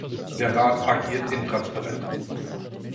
Der Rat agiert intransparent.